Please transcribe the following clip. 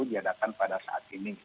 diadakan pada saat ini